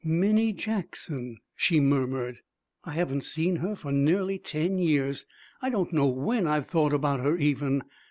'Minnie Jackson!' she murmured. 'I haven't seen her for nearly ten years. I don't know when I've thought about her, even.